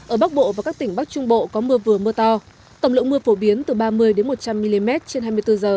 ở bắc bộ và các tỉnh bắc trung bộ có mưa vừa mưa to tổng lượng mưa phổ biến từ ba mươi một trăm linh mm trên hai mươi bốn h